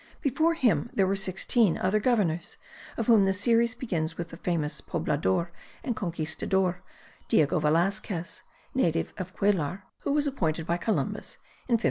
Before him there were sixteen other governors, of whom the series begins with the famous Poblador and Conquistador, Diego Velasquez, native of Cuellar, who was appointed by Columbus in 1511.